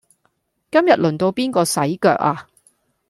今日輪到邊個洗腳呀